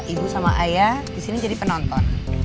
ibu sama ayah di sini jadi penonton